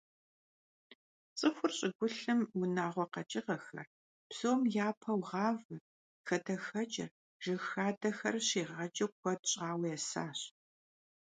ЦӀыхур щӀыгулъым унагъуэ къэкӀыгъэхэр, псом япэу гъавэр, хадэхэкӀыр, жыг хадэхэр щигъэкӀыу куэд щӀауэ есащ.